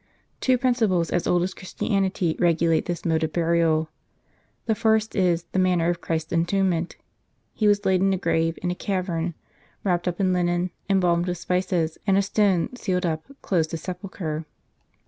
Two principles as old as Christianity regulate this mode of burial. The first is, the manner of Christ's entombment. He was laid in a grave in a cavern, wrapped up in linen, embalmed with spices ; and a stone, sealed up, closed His sepulchre.